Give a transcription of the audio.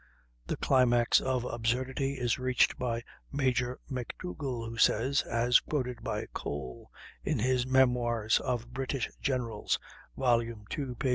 The climax of absurdity is reached by Major McDougal, who says (as quoted by Cole in his "Memoirs of British Generals," ii, p.